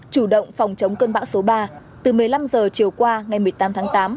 chủ động phòng chống cơn bão số ba từ một mươi năm h chiều qua ngày một mươi tám tháng tám